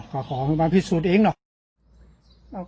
ก็ขอมาพิสูจน์เองหรอ